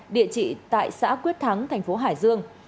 địa chỉ tại xã quyết thắng thành phố hải dương